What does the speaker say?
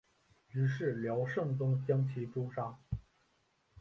于是辽圣宗将其诛杀。